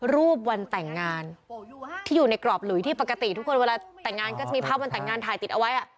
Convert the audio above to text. รูปวันแต่งงานที่อยู่ในกรอบหลุยที่ปกติทุกคนเวลาแต่งงานก็จะมีภาพวันแต่งงานถ่ายติดเอาไว้